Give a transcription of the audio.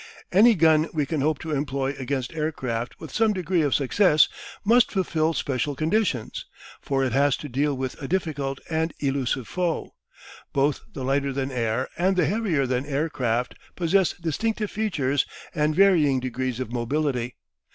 Any gun we can hope to employ against aircraft with some degree of success must fulfil special conditions, for it has to deal with a difficult and elusive foe. Both the lighter than air and the heavier than air craft possess distinctive features and varying degrees of mobility.